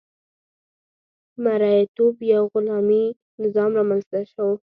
مرئیتوب یا غلامي نظام رامنځته شو.